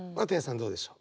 どうでしょう？